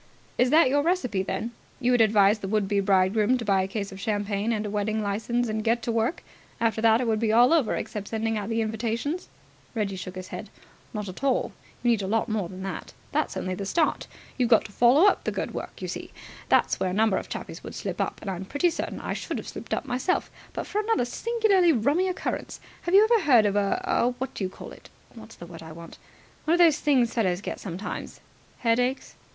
"Is that your recipe, then? You would advise the would be bridegroom to buy a case of champagne and a wedding licence and get to work? After that it would be all over except sending out the invitations?" Reggie shook his head. "Not at all. You need a lot more than that. That's only the start. You've got to follow up the good work, you see. That's where a number of chappies would slip up, and I'm pretty certain I should have slipped up myself, but for another singularly rummy occurrence. Have you ever had a what do you call it? What's the word I want? One of those things fellows get sometimes." "Headaches?"